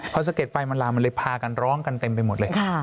พอสะเก็ดไฟมันลามมันเลยพากันร้องกันเต็มไปหมดเลย